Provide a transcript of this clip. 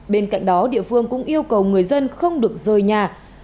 bên cạnh đó địa phương cũng yêu cầu người dân không được rời nhà